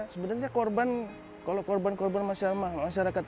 sama istri rt